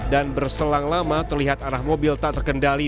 dan berselang lama terlihat arah mobil tak terkendali